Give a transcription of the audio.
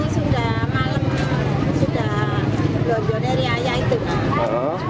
sudah berjodoh dari ayam